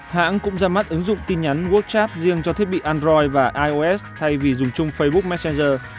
hãng cũng ra mắt ứng dụng tin nhắn work chat riêng cho thiết bị android và ios thay vì dùng chung facebook messenger